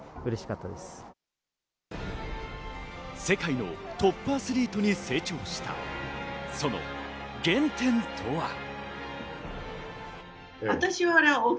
世界のトップアスリートに成長した、その原点とは。